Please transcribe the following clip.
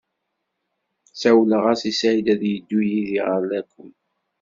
Sawleɣ-as i Saɛid ad yeddu yid-i ɣer lakul.